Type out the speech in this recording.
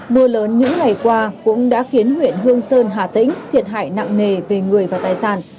mưa lớn những ngày qua cũng đã khiến huyện hương sơn hà tĩnh thiệt hại nặng nề về người và tài sản